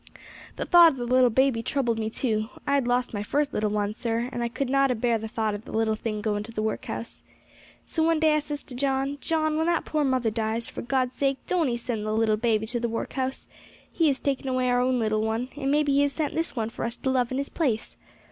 "The thought of the little baby troubled me too. I had lost my first little one, sir, and I could not a bear the thought of the little thing going to the workhouse. So one day I says to John, 'John, when that poor mother dies, for God's sake don't 'ee send the little baby to the workhouse; He has taken away our own little one, and may be He has sent this one for us to love in his place.